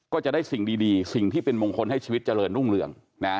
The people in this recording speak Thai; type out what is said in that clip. ก็จะได้สิ่งดีสิ่งที่เป็นมงคลให้ชีวิตเจริญรุ่งเรือง